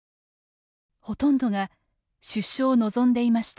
ほとんどが出所を望んでいました。